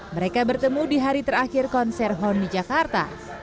mereka bertemu di hari terakhir konser hone di jakarta